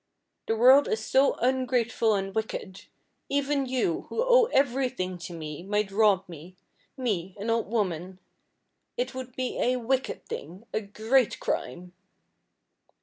The world is so ungrateful and wicked! Even you, who owe every thing to me, might rob me me, an old woman. It would be a wicked thing a great crime!"